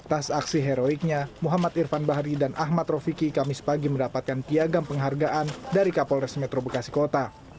atas aksi heroiknya muhammad irfan bahri dan ahmad rofiki kamis pagi mendapatkan piagam penghargaan dari kapolres metro bekasi kota